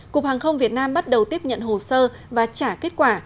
cục hàng không việt nam bắt đầu tiếp nhận hồ sơ và trả kết quả